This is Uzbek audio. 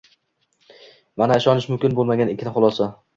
Mana ishonish mumkin bo'lmagan ikki xulosa: